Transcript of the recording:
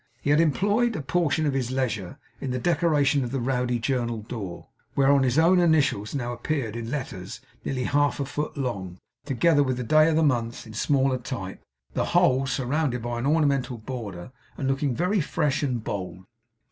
He had employed a portion of his leisure in the decoration of the Rowdy Journal door, whereon his own initials now appeared in letters nearly half a foot long, together with the day of the month in smaller type; the whole surrounded by an ornamental border, and looking very fresh and bold.